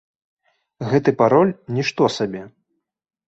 Гэты пароль нішто сабе.